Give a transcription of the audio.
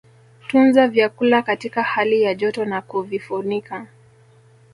Tunza vyakula katika hali ya joto na kuvifunika